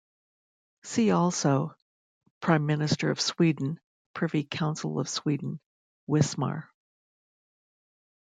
"See also: Prime Minister of Sweden, Privy Council of Sweden, Wismar"